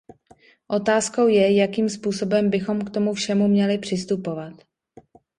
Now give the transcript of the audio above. Otázkou je, jakým způsobem bychom k tomu všemu měli přistupovat.